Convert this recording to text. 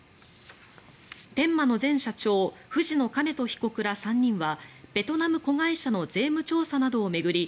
天馬の前社長藤野兼人被告ら３人はベトナム子会社の税務調査などを巡り